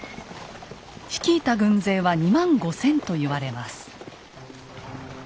率いた軍勢は２万５，０００と言われます。